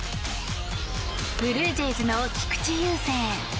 ブルージェイズの菊池雄星。